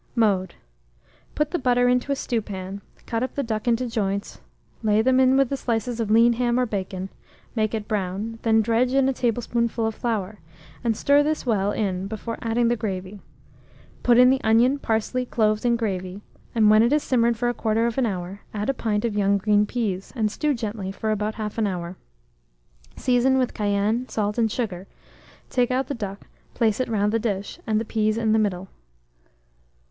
Mode. Put the butter into a stewpan; cut up the duck into joints, lay them in with the slices of lean ham or bacon; make it brown, then dredge in a tablespoonful of flour, and stir this well in before adding the gravy. Put in the onion, parsley, cloves, and gravy, and when it has simmered for 1/4 hour, add a pint of young green peas, and stew gently for about 1/2 hour. Season with cayenne, salt, and sugar; take out the duck, place it round the dish, and the peas in the middle.